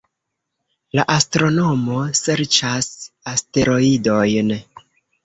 La astronomo serĉas asteroidojn